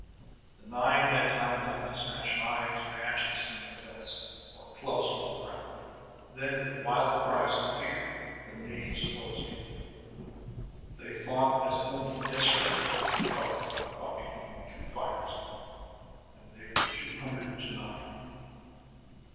The nine had time enough to snatch knives or hatchets from their belts, or clubs from the ground. Then, with wild cries of fear, the natives closed in. They fought as only desperate people can fight, caught between two fires. And they were two hundred to nine!